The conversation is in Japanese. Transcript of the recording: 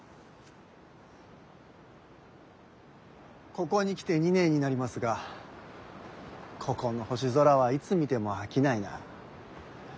・ここに来て２年になりますがここの星空はいつ見ても飽きないな。